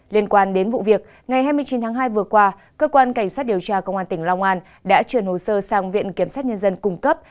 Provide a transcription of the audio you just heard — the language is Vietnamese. liên quan đến vụ việc ngày hai mươi chín tháng hai vừa qua cơ quan cảnh sát điều tra công an tỉnh long an đã chuyển hồ sơ sang viện kiểm sát nhân dân cung cấp